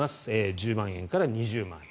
１０万円から２０万円。